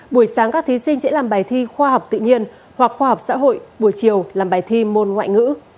buổi sáng các thí sinh sẽ làm bài thi khoa học tự nhiên hoặc khoa học xã hội buổi chiều làm bài thi môn ngoại ngữ